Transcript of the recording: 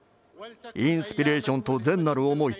インスピレーションと善なる思い